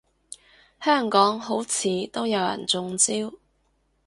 香港好似都有人中招